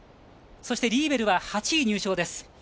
そして、リーベルは８位入賞です。